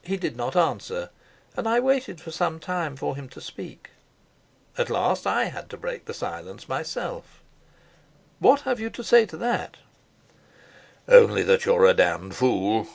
He did not answer, and I waited for some time for him to speak. At last I had to break the silence myself. "What have you to say to that?" "Only that you're a damned fool."